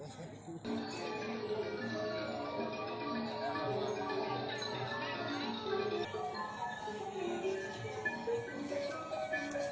สวัสดีพวก